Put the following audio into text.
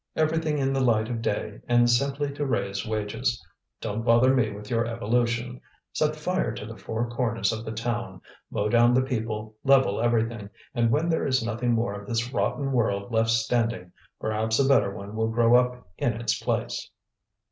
Everything in the light of day, and simply to raise wages. Don't bother me with your evolution! Set fire to the four corners of the town, mow down the people, level everything, and when there is nothing more of this rotten world left standing, perhaps a better one will grow up in its place."